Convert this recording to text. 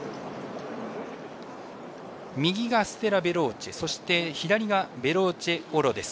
右がステラヴェローチェそして左がヴェローチェオロです。